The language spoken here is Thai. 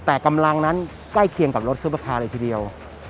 แต่กำลังนั้นใกล้เคียงกับรถซุปเปอร์คาร์เลยทีเดียว